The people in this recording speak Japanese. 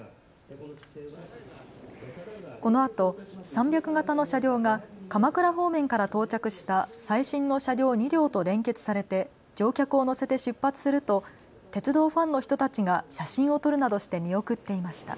このあと３００形の車両が鎌倉方面から到着した最新の車両２両と連結されて乗客を乗せて出発すると鉄道ファンの人たちが写真を撮るなどして見送っていました。